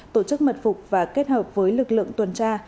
tổ chức mật phục và kết hợp với lực lượng tuần tra